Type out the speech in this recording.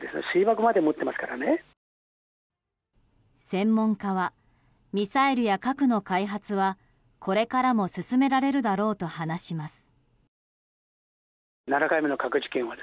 専門家はミサイルや核の開発はこれからも進められるだろうと話します。